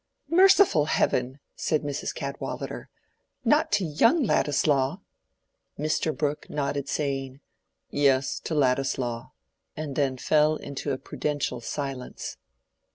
"Merciful heaven!" said Mrs. Cadwallader. "Not to young Ladislaw?" Mr. Brooke nodded, saying, "Yes; to Ladislaw," and then fell into a prudential silence.